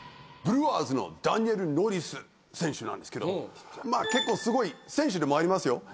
ブリュワーズのダニエル・ノリス選手なんですけど結構すごい選手でもありますよ。